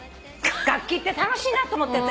楽器って楽しいなって思って私。